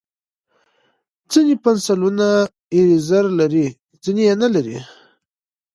ځینې پنسلونه ایریزر لري، ځینې یې نه لري.